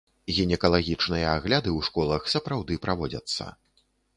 Гінекалагічныя агляды ў школах сапраўды праводзяцца.